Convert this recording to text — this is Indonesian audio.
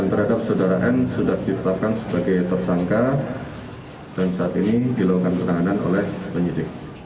pemerintah jember terima kasih